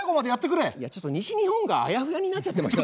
いやちょっと西日本があやふやになっちゃってました？